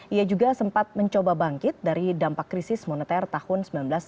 ia juga sempat mencoba bangkit dari dampak krisis moneter tahun seribu sembilan ratus sembilan puluh